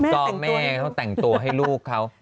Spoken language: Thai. ก็แม่เขาแต่งตัวให้ลูกเขา